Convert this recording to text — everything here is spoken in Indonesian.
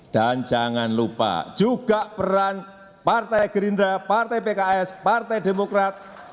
dan jangan lupa juga peran partai gerindra partai pks partai demokrat